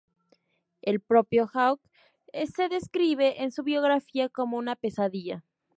El propio Hawk se describe en su biografía como "una pesadilla".